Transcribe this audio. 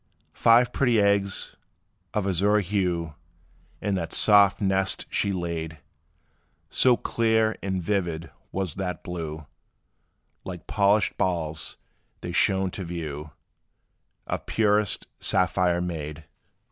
Five pretty eggs of azure hue, In that soft nest she laid. So clear and vivid was their blue, Like polished balls they shone to view, Of purest sapphire made.